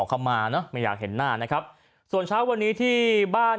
เข้ามาเนอะไม่อยากเห็นหน้านะครับส่วนเช้าวันนี้ที่บ้าน